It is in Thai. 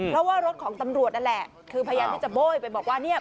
เพราะว่ารถของตำรวจนั่นแหละคือพยายามที่จะโบ้ยไปบอกว่าเนี่ย